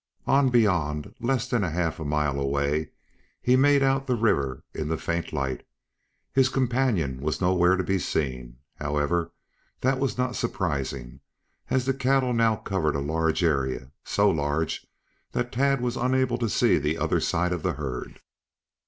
On beyond, less than half a mile away, he made out the river in the faint light. His companion was nowhere to be seen. However, that was not surprising, as the cattle now covered a large area; so large that Tad was unable to see to the other side of the herd.